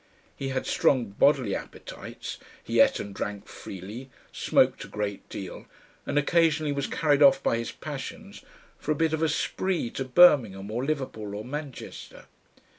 He had strong bodily appetites, he ate and drank freely, smoked a great deal, and occasionally was carried off by his passions for a "bit of a spree" to Birmingham or Liverpool or Manchester.